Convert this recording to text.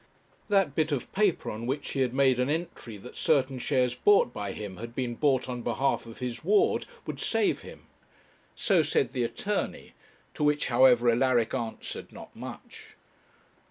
That bit of paper on which he had made an entry that certain shares bought by him had been bought on behalf of his ward, would save him; so said the attorney: to which, however, Alaric answered not much.